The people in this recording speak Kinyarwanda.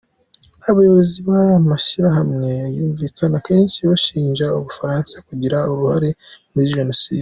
Abayobozi b’aya mashyirahamwe bumvikana kenshi bashinja ubufaransa kugira uruhari muri jenoside.